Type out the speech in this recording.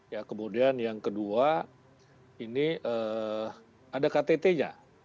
ya kemudian yang kedua ini ada ktt nya